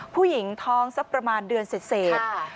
ผู้หญิงท้องสักประมาณเดือนเศษ